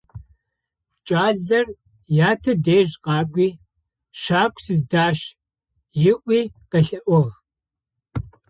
Кӏалэр ятэ дэжь къакӏуи: «Шакӏо сыздащ», - ыӏуи къелъэӏугъ.